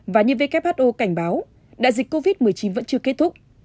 và như who cảnh báo đại dịch covid một mươi chín vẫn chưa kết thúc